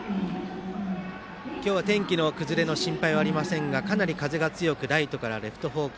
今日は天気の崩れの心配はありませんがかなり風が強くライトからレフト方向。